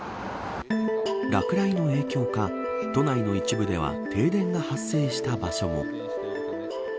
落雷の影響か、都内の一部では停電が発生した場所も。